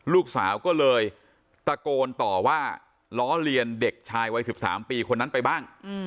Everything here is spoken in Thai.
ลูกสาวก็เลยตะโกนต่อว่าล้อเลียนเด็กชายวัย๑๓ปีคนนั้นไปบ้าง